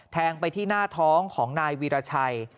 แทงไปที่หน้าท้องของนายวีรชัย